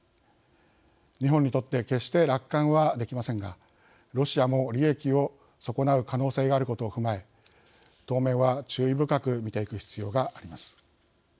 日本にとって決して楽観はできませんがロシアも利益を損なう可能性があることを踏まえ当面は注意深く見ていく必要があります。